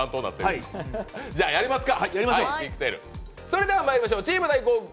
じゃ、やりますか。